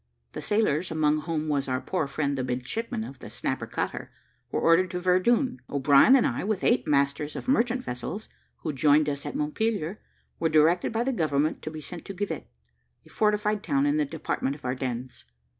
The sailors, among whom was our poor friend the midshipman of the Snapper cutter, were ordered to Verdun; O'Brien and I, with eight masters of merchant vessels, who joined us at Montpelier, were directed by the government to be sent to Givet, a fortified town in the department of Ardennes.